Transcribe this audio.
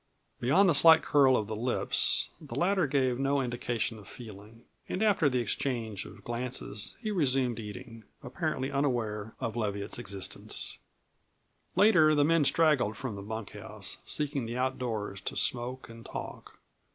Beyond the slight curl of the lips the latter gave no indication of feeling. And after the exchange of glances he resumed eating, apparently unaware of Leviatt's existence. Later, the men straggled from the bunkhouse, seeking the outdoors to smoke and talk.